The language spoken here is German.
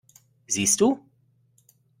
Siehst du?